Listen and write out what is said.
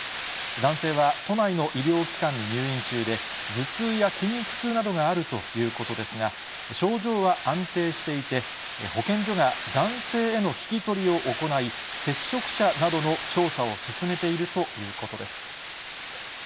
男性は、都内の医療機関に入院中で、頭痛や筋肉痛などがあるということですが、症状は安定していて、保健所が男性への聞き取りを行い、接触者などの調査を進めているということです。